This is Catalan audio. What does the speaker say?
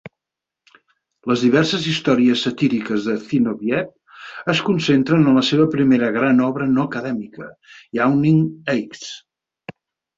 Les diverses històries satíriques de Zinoviev es concentren en la seva primera gran obra no acadèmica, "Yawning Heights".